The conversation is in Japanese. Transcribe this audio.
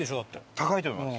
高いと思います。